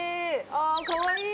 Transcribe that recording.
あー、かわいい。